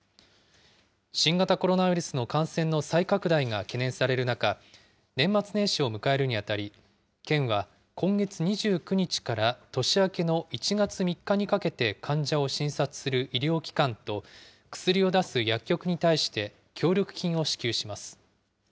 新型コロナウイルスの感染の再拡大が懸念される中、年末年始を迎えるにあたり、県は今月２９日から年明けの１月３日にかけて患者を診察する医療機関と、薬を出す薬局に対して、協力金を支給します。